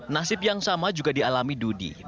nasib yang sama juga dialami dudi